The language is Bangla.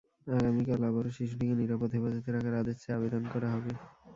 আগামীকাল আবারও শিশুটিকে নিরাপদ হেফাজতে রাখার আদেশ চেয়ে আবেদন করা হবে।